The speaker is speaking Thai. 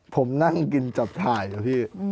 ผมนั่งกินจับถ่ายนะพี่